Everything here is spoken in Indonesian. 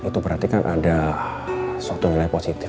itu berarti kan ada suatu nilai positif